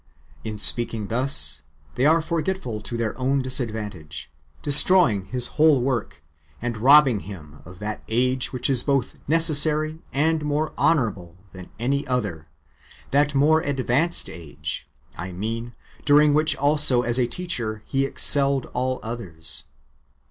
[In speaking thus], they are forgetful to their own disadvantage, destroying His whole work, and robbing Him of that age which is both more necessary and more honourable than any other ; that more advanced age, I mean, during which also as a teacher He excelled all others.